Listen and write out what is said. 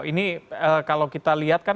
ini kalau kita lihat